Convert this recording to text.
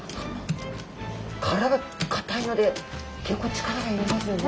殻が硬いので結構力がいりますよね。